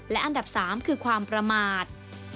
และอันดับ๓คือความประมาท